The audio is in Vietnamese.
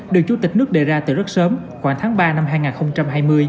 được chủ tịch nước đề ra từ rất sớm khoảng tháng ba năm hai nghìn hai mươi